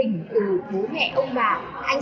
để tham gia những hạt động bảo vệ môi trường